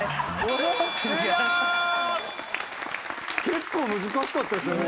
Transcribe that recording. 結構難しかったですよ。